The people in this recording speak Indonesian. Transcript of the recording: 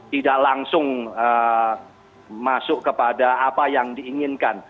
tidak langsung masuk kepada apa yang diinginkan